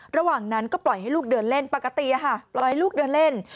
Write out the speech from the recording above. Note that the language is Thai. ระหว่างนั้นก็ปล่อยให้ลูกเดินเล่นปกติปล่อยลูกเดินเล่น